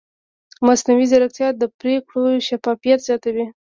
مصنوعي ځیرکتیا د پرېکړو شفافیت زیاتوي.